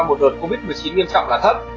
một đợt covid một mươi chín nghiêm trọng là thấp